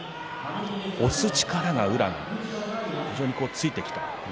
押す力が宇良に、非常についてきた。